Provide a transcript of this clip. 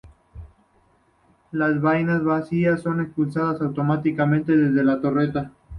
Las vainas vacías son expulsadas automáticamente desde la torreta.